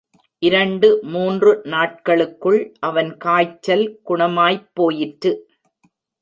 இரண்டு, மூன்று நாட்களுக்குள் அவன் காய்ச்சல் குணமாய்ப் போயிற்று.